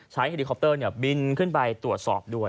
เฮลิคอปเตอร์บินขึ้นไปตรวจสอบด้วย